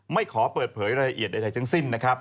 ไม่ขอเปิดเผยรายละเอียดใดทั้งสิ้น